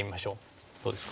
どうですか？